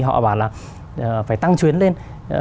thì họ bảo là phải tăng chuyến lên